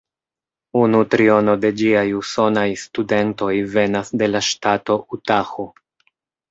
Unu triono de ĝiaj usonaj studentoj venas de la ŝtato Utaho.